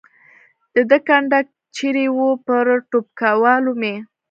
د ده کنډک چېرې و؟ پر ټوپکوالو مې.